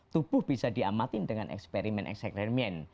tubuh bisa diamatin dengan eksperimen eksperimen